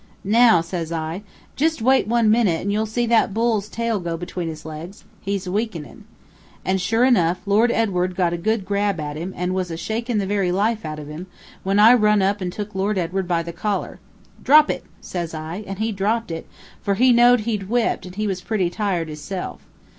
'Now,' says I, 'jist wait one minute, and you'll see that bull's tail go between his legs. He's weakenin'.' An' sure enough, Lord Edward got a good grab at him, and was a shakin' the very life out of him, when I run up and took Lord Edward by the collar. 'Drop it!' says I, and he dropped it, for he know'd he'd whipped, and he was pretty tired hisself.